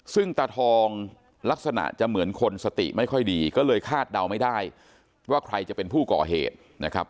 ซึ่งตาทองลักษณะจะเหมือนคนสติไม่ค่อยดีก็เลยคาดเดาไม่ได้ว่าใครจะเป็นผู้ก่อเหตุนะครับ